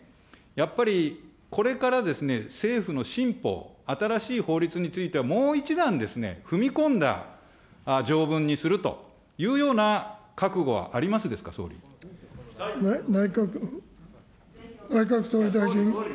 やっぱりこれから政府の新法、新しい法律については、もう一段踏み込んだ条文にするというような覚悟はありますですか、内閣総理大臣。